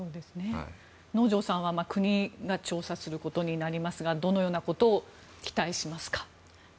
能條さんは国が調査することになりますがどのようなことを期待しますか？